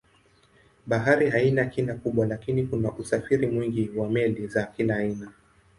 Bahari haina kina kubwa lakini kuna usafiri mwingi wa meli za kila aina.